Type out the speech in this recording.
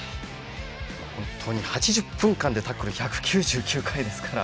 本当に８０分間でタックル１９９回ですから。